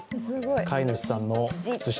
飼い主さんの靴下。